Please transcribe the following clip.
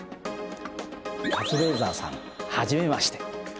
カズレーザーさん初めまして。